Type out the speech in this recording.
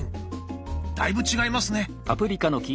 だいぶ違いますね。